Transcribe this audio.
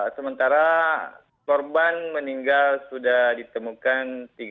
sementara korban meninggal sudah ditemukan tiga